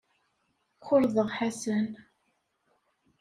Xulḍeɣ Ḥasan.